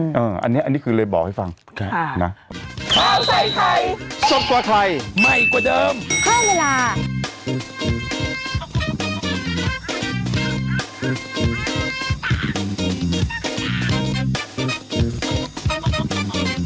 อืมเอออันเนี้ยอันนี้คือเลยบอกให้ฟังค่ะนะ